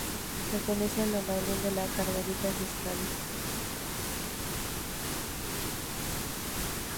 Pertenece a la orden de las Carmelitas Descalzas.